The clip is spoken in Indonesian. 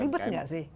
ribet gak sih